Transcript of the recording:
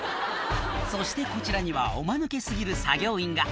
そしてこちらにはおマヌケ過ぎる作業員が「